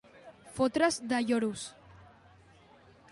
Fotre's de lloros.